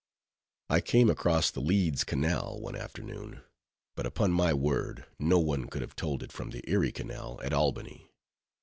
I came across the Leeds Canal, one afternoon; but, upon my word, no one could have told it from the Erie Canal at Albany.